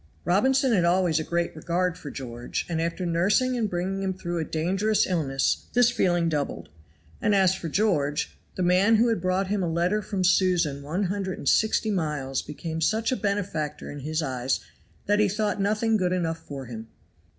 Robinson had always a great regard for George, and after nursing and bringing him through a dangerous illness this feeling doubled. And as for George, the man who had brought him a letter from Susan one hundred and sixty miles became such a benefactor in his eyes that he thought nothing good enough for him.